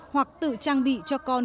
hoặc tự trang bị cho con